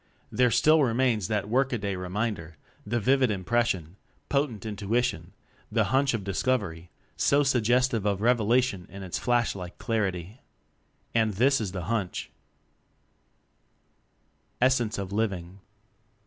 there still remains that work a day remind er, the vivid impression, potent intui tion, the "hunch" of discovery, so sug gestive of revelation in its flash like clarity. And this is the "hunch": Essence of Living.